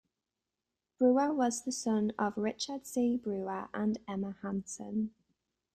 Brewer was the son of Richard C. Brewer and Emma Hanson.